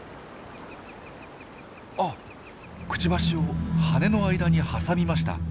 あっクチバシを羽の間に挟みました。